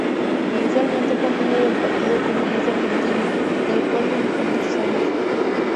Inicialmente fue miembro del Partido Comunista Argentino, en el cual militó muchos años.